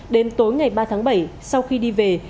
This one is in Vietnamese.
đến tối ngày ba tháng bảy sau khi đi về